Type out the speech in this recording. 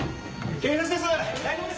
警察です！